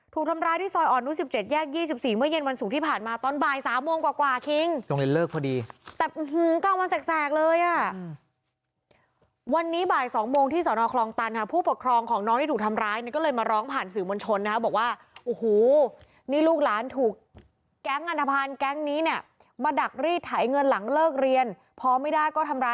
ถูกทำร้ายที่ซอยอ่อนนุษย์๑๗แยก๒๔เมื่อเย็นวันสูงที่ผ่านมา